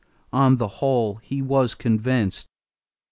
On the whole he was convinced.